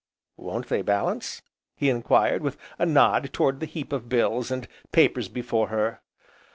"Won't they balance?" he enquired, with a nod toward the heap of bills, and papers before her.